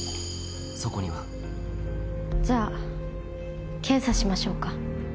そこにはじゃあ検査しましょうか。